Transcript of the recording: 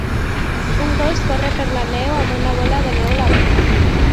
Un gos corre per la neu amb una bola de neu a la boca.